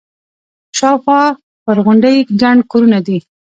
شاوخوا پر غونډۍ ګڼ کورونه دي.